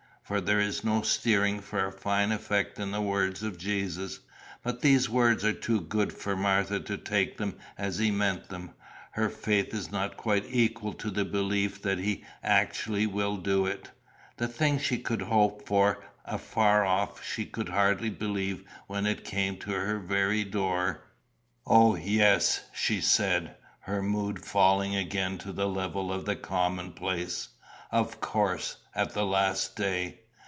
For there is no steering for a fine effect in the words of Jesus. But these words are too good for Martha to take them as he meant them. Her faith is not quite equal to the belief that he actually will do it. The thing she could hope for afar off she could hardly believe when it came to her very door. 'O, yes,' she said, her mood falling again to the level of the commonplace, 'of course, at the last day.